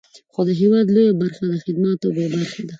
خو د هېواد لویه برخه له خدماتو بې برخې ده.